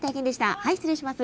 はい失礼します。